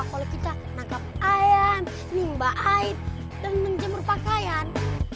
kalau kita nangkap ayam nimba hai dan menjemur pakaian